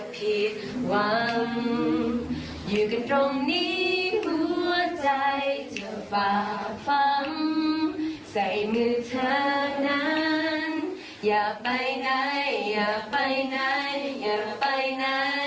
ไปไหน